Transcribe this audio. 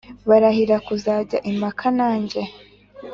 Barahira kuzajya impaka nanjye